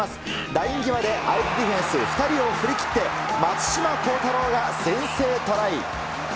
ライン際で相手ディフェンス２人を振り切って、松島幸太朗が先制トライ。